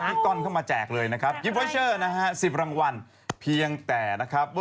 นี่ก้อนเข้ามาแจกเลยนะครับยิปไวเชอร์นะฮะ๑๐รางวัลเพียงแต่นะครับว่า